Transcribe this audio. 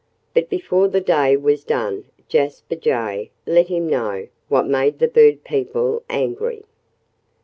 But before the day was done Jasper Jay let him know what made the bird people angry.